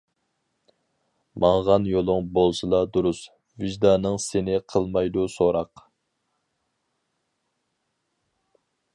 ماڭغان يولۇڭ بولسىلا دۇرۇس، ۋىجدانىڭ سېنى قىلمايدۇ سوراق.